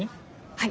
はい。